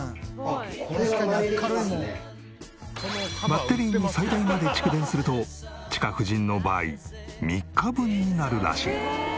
バッテリーに最大まで蓄電するとチカ婦人の場合３日分になるらしい。